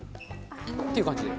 っていう感じで。